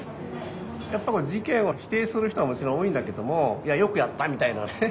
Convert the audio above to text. やっぱ事件を否定する人はもちろん多いんだけどもよくやったみたいなね